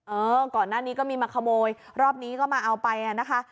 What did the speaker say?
เออก่อนหน้านี้ก็มีมาขโมยรอบนี้ก็มาเอาไปอ่ะนะคะ